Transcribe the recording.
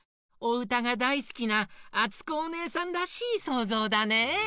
おうたがだいすきなあつこおねえさんらしいそうぞうだね。